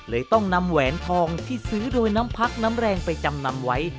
ต้องนำแหวนทองที่ซื้อโดยน้ำพักน้ำแรงไปจำนำไว้